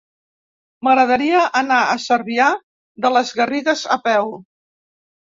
M'agradaria anar a Cervià de les Garrigues a peu.